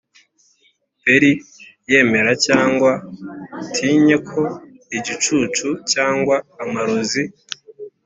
bell yemera cyangwa utinye ko igicucu cyangwa amarozi